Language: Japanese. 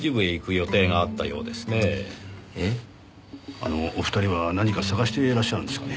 あのお二人は何か探してらっしゃるんですかね？